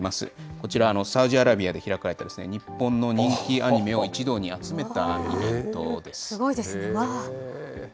こちら、サウジアラビアで開かれた、日本の人気アニメを一堂に集すごいですね。